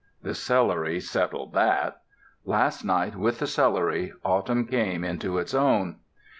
The celery settled that. Last night with the celery autumn came into its own.